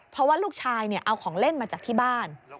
เพราะว่าลูกชายเอาของเล่นมาจากที่บ้าน